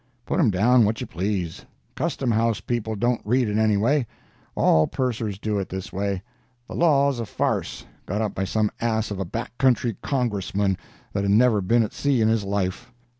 —put 'em down what you please—Custom House people don't read it anyway—all pursers do it this way—the law's a farce, got up by some ass of a back country Congressman, that had never been at sea in his life.